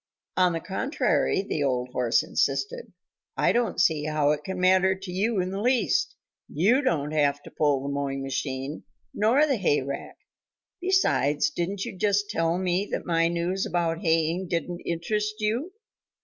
"On the contrary," the old horse insisted, "I don't see how it can matter to you in the least. You don't have to pull the mowing machine nor the hayrake. Besides, didn't you just tell me that my news about haying didn't interest you?"